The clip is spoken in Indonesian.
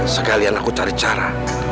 sekalian aku cari cara